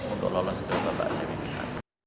untuk lolos dari bapak bapak semipila